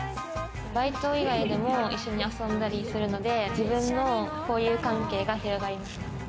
バイト以外でも一緒に遊んだりするので、自分の交友関係が広がります。